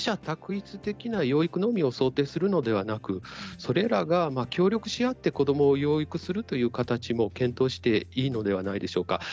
択一的な養育のみを想定するのではなくそれらが協力し合って子どもを養育するという形も検討していいのではないでしょうか。